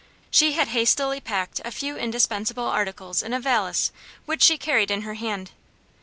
She had hastily packed a few indispensable articles in a valise which she carried in her hand.